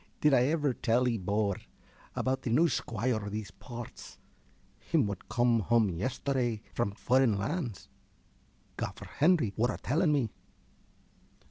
~ Did I ever tell 'ee, bor, about t' new squoire o' these parts him wot cum hum yesterday from furren lands? Gaffer Henry wor a telling me.